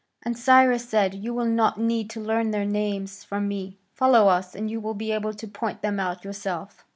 And Cyrus said, "You will not need to learn their names from me; follow us, and you will be able to point them out yourself."